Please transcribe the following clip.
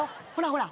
ほら！